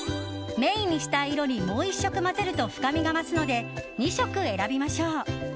メインにしたい色にもう１色混ぜると深みが増すので２色選びましょう。